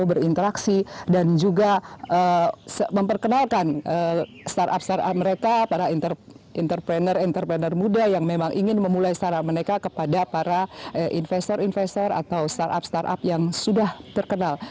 berinteraksi dan juga memperkenalkan startup startup mereka para entrepreneur entrepreneur muda yang memang ingin memulai startup mereka kepada para investor investor atau startup startup yang sudah terkenal